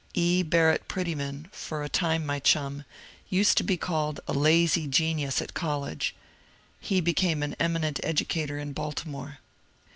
E. Barrett Prettyman, for a time my chum, used to be called ^^ a lazy genius " at college ; he became an eminent educator in Baltimore.